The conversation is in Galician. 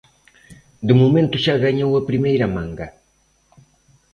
De momento xa gañou a primeira manga.